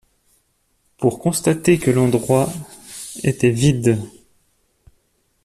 Pour constater que l’endroit était vide.